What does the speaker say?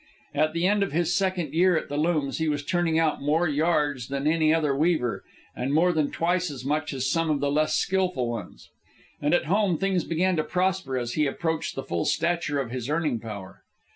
At the end of his second year at the looms he was turning out more yards than any other weaver, and more than twice as much as some of the less skilful ones. And at home things began to prosper as he approached the full stature of his earning power.